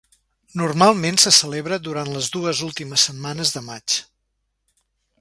Normalment se celebra durant les dues últimes setmanes de maig.